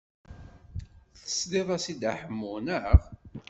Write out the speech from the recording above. Teslid-as i Dda Ḥemmu, naɣ?